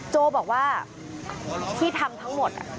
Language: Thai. โจบอกว่าที่ทำทั้งหมด